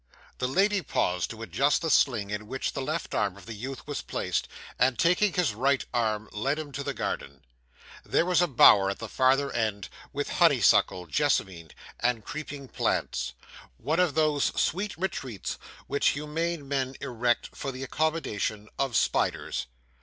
The lady paused to adjust the sling in which the left arm of the youth was placed, and taking his right arm led him to the garden. There was a bower at the farther end, with honeysuckle, jessamine, and creeping plants one of those sweet retreats which humane men erect for the accommodation of spiders.